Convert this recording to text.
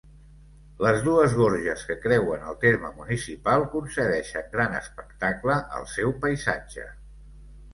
Les dues gorges que creuen el terme municipal concedeixen gran espectacle al seu paisatge.